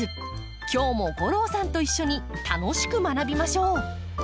今日も吾郎さんと一緒に楽しく学びましょう！